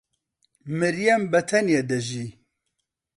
مریەم بەتەنێ دەژی.